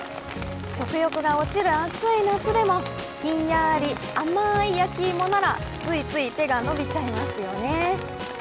食欲が落ちる暑い夏でもひんやり甘い焼き芋ならついつい手が伸びちゃいますよね。